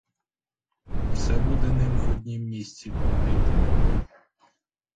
Все буде ним в однім місці крутити.